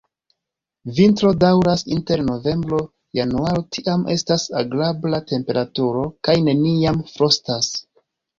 Vintro daŭras inter novembro-januaro, tiam estas agrabla temperaturo kaj neniam frostas.